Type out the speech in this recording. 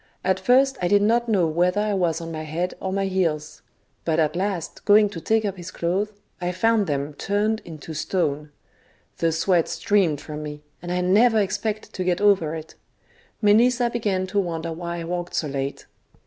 At first I did not know whetlfer I was on my head or my heels ; but at last going to take up his clothes, I found them turned into stone. The sweat streamed 12 THE BOOK OF WERE WOLVES. from me, and I never expected to get over it. Melissa began to wonder why I walked so late.